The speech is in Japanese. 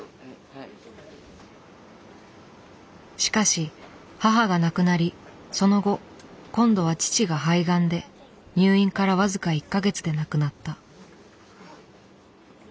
しかし母が亡くなりその後今度は父が肺がんで入院から僅か１か月で亡くなった。